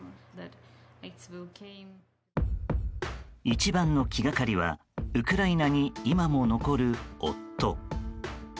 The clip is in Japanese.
一番の気がかりはウクライナに今も残る夫。